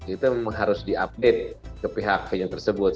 itu memang harus diupdate ke pihak venue tersebut